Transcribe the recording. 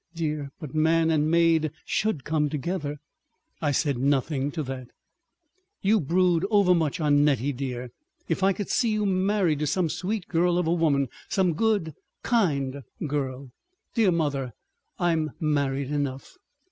"Eh, dear! but man and maid should come together." I said nothing to that. "You brood overmuch on Nettie, dear. If I could see you married to some sweet girl of a woman, some good, kind girl———" "Dear mother, I'm married enough.